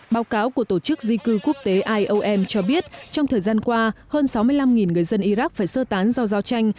báo cáo của tổ chức di cư quốc tế iom cho biết trong thời gian qua hơn sáu mươi năm người dân iraq phải sơ tán do giao tranh